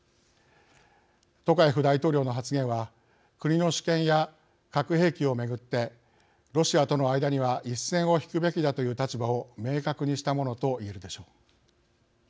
トカエフ大統領の発言は国の主権や核兵器を巡ってロシアとの間には一線を引くべきだという立場を明確にしたものと言えるでしょう。